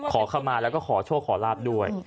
ขอเข้ามาแล้วก็ขอโชคขอลาบด้วย